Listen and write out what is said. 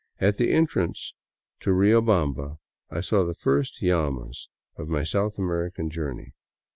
At the entrance to Rio bamba I saw the first llamas of my South American journey.